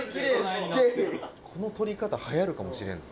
この撮り方はやるかもしれんぞ。